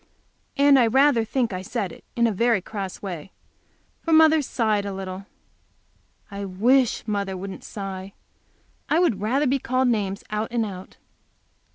And I rather think I said it in a very cross way, for mother sighed a little. I wish mother wouldn't sigh. I would rather be called names out and out.